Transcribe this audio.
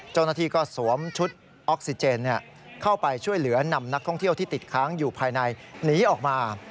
เจ้าหน้าที่ก็สวมชุดออกซิเจนเข้าไปช่วยเหลือนำนักท่องเที่ยวที่ติดค้างอยู่ภายในหนีออกมา